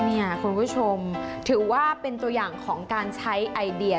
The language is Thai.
คุณผู้ชมถือว่าเป็นตัวอย่างของการใช้ไอเดีย